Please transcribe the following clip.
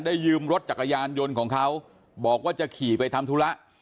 ยืมรถจักรยานยนต์ของเขาบอกว่าจะขี่ไปทำธุระ